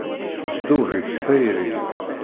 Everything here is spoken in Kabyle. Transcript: Tesdub-ik tayri.